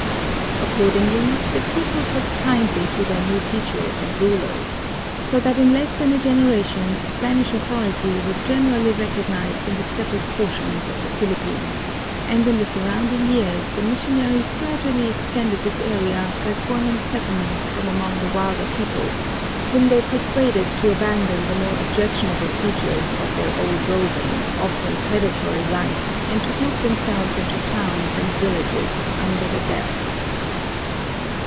Accordingly, the people took kindly to their new teachers and rulers, so that in less than a generation Spanish authority was generally recognized in the settled portions of the Philippines, and in the succeeding years the missionaries gradually extended this area by forming settlements from among the wilder peoples, whom they persuaded to abandon the more objectionable features of their old roving, often predatory, life and to group themselves into towns and villages "under the bell."